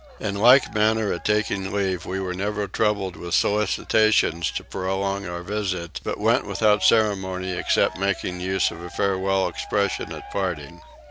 In like manner at taking leave we were never troubled with solicitations to prolong our visit, but went without ceremony except making use of a farewell expression at parting.